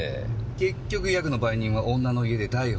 結局ヤクの売人は女の家で逮捕。